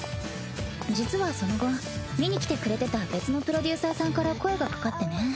実はその後見に来てくれてた別のプロデューサーさんから声が掛かってね